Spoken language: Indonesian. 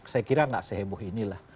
saya kira nggak seheboh inilah